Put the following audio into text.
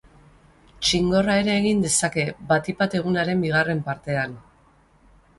Txingorra ere egin dezake, batik bat egunaren bigarren partean.